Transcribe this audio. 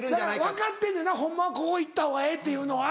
分かってんねんなホンマはここ行ったほうがええっていうのは。